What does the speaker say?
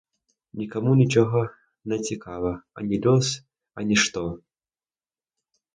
Нікому нічога не цікава, ані лёс, ані што.